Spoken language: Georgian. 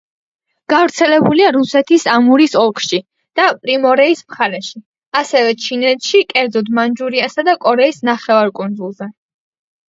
გავრცელებულია რუსეთის ამურის ოლქში და პრიმორიეს მხარეში, ასევე ჩინეთში, კერძოდ მანჯურიასა და კორეის ნახევარკუნძულზე.